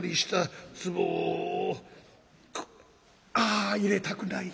ああ入れたくない。